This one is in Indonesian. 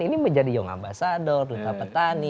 ini menjadi young ambassador duta petani